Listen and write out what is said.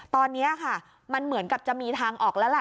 ตอนนี้ค่ะมันเหมือนกับจะมีทางออกแล้วล่ะ